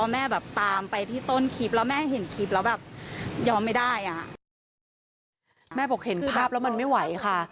แม่บอกเห็นภาพแล้วมันไม่ไหวค่ะ